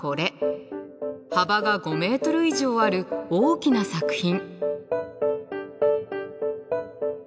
幅が５ｍ以上ある大きな作品。